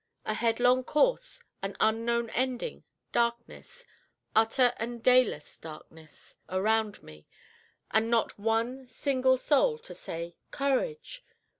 A headlong course, an unknown ending, darkness utter and day less darkness around me, and not one single soul to say, "Courage!"